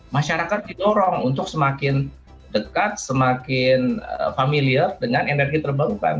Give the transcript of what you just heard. masyarakat didorong untuk semakin dekat semakin familiar dengan energi terbarukan